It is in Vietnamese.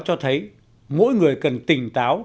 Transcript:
cho thấy mỗi người cần tỉnh táo